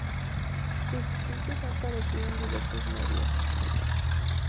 Sus escritos han aparecido en diversos medios.